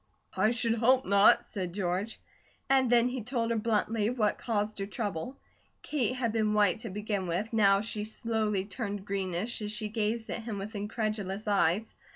"I should hope not!" said George. And then he told her bluntly what caused her trouble. Kate had been white to begin with, now she slowly turned greenish as she gazed at him with incredulous eyes.